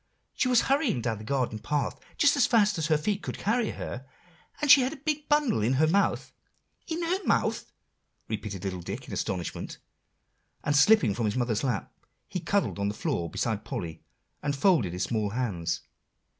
She was hurrying down the garden path, just as fast as her feet would carry her, and she had a big bundle in her mouth" "In her mouth?" repeated little Dick in astonishment; and, slipping from his mother's lap, he cuddled on the floor beside Polly, and folded his small hands.